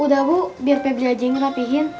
udah bu biar febri aja ngerapihin